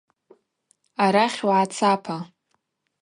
Арахь угӏацапа.